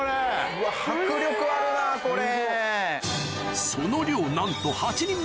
うわ迫力あるなこれ。